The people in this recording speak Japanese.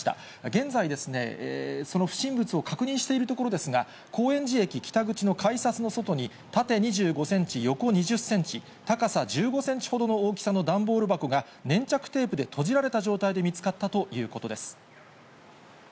現在、その不審物を確認しているところですが、高円寺駅北口の改札の外に、縦２５センチ、横２０センチ、高さ１５センチほどの大きさの段ボール箱が粘着テープで閉じられた状態で見つかったということです。